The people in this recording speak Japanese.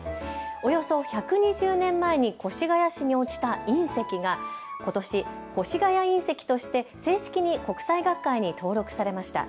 およそ１２０年前に越谷市に落ちた隕石がことし越谷隕石として正式に国際学会に登録されました。